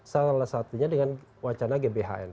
salah satunya dengan wacana gbhn